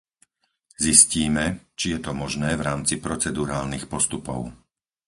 Zistíme, či je to možné v rámci procedurálnych postupov.